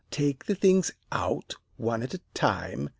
Take the things out, one at a time.